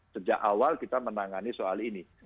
sejak awal kita menangani soal ini